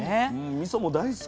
みそも大好き。